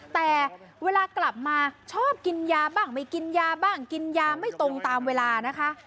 แต่เวลากลับมาชอบกินยาบ้างไม่กินยาบ้างกินยาไม่ตรงตามเวลานะคะ